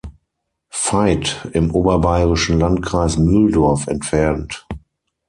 Veit im oberbayerischen Landkreis Mühldorf entfernt.